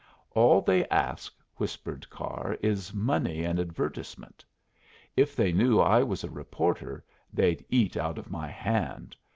"All they ask," whispered Carr, "is money and advertisement. If they knew I was a reporter, they'd eat out of my hand.